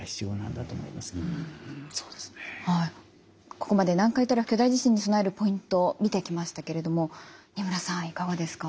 ここまで南海トラフ巨大地震に備えるポイント見てきましたけれども仁村さんいかがですか？